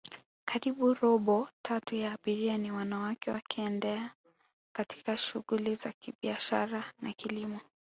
karibu robo tatu ya abiria ni wanawake wakienda katika shuguli za biashara na kilimo